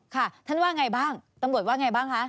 ค่ะท่านว่าไงบ้างตำรวจว่าไงบ้างคะ